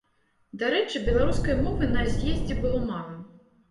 Дарэчы, беларускай мовы на з'ездзе было мала.